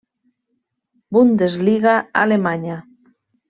Bundesliga alemanya.